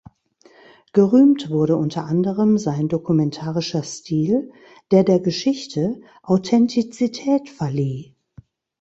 Gerühmt wurde unter anderem sein dokumentarischer Stil, der der Geschichte Authentizität verlieh.